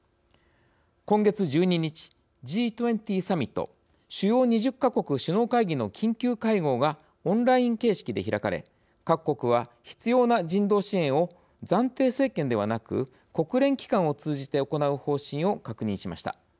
今月１２日Ｇ２０サミット＝主要２０か国首脳会議の緊急会合がオンライン形式で開かれ各国は必要な人道支援を暫定政権ではなく国連機関を通じて行う方針を確認しました。